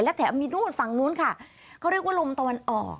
และแถมมีนู่นฝั่งนู้นค่ะเขาเรียกว่าลมตะวันออก